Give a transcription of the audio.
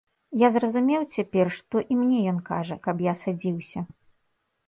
Я зразумеў цяпер, што і мне ён кажа, каб я садзіўся.